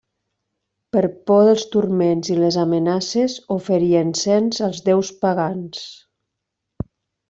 Per por dels turments i les amenaces oferí encens als déus pagans.